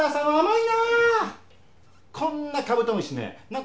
こんなカブトムシねな。